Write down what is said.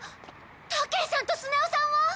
たけしさんとスネ夫さんは？